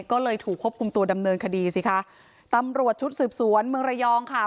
ก็เลยถูกควบคุมตัวดำเนินคดีสิคะตำรวจชุดสืบสวนเมืองระยองค่ะ